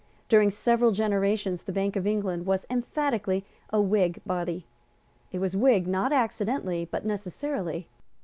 During several generations the Bank of England was emphatically a Whig body. It was Whig, not accidentally, but necessarily.